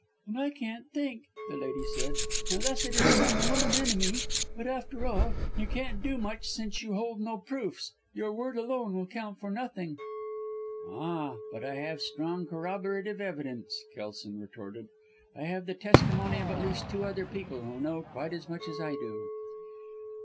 "And I can't think," the lady said, "unless it is some woman enemy. But, after all, you can't do much since you hold no proofs your word alone will count for nothing." "Ah, but I have strong corroborative evidence," Kelson retorted. "I have the testimony of at least two other people who know quite as much as I do."